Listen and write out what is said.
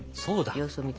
そうだ。